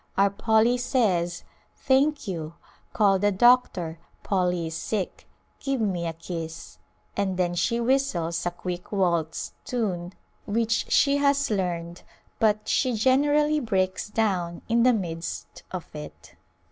Our Polly says, " Thank you ! Call the doctor, Polly is sick ! Give me a kiss !" and then she whistles a quick waltz tune which she has learned, but she generally breaks down in the midst of it.